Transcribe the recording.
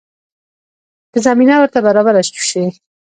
که زمینه ورته برابره شي.